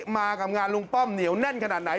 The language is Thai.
มากับงานลุงป้อมเหนียวแน่นขนาดไหน